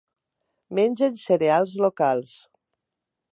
Mengen cereals locals.